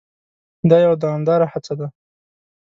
دا یوه دوامداره هڅه ده.